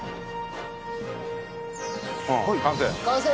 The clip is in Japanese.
完成？